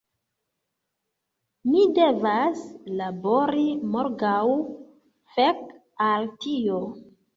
Mi devas labori morgaŭ, fek' al tio!